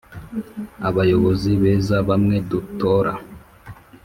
abayobozi beza bamwe dutora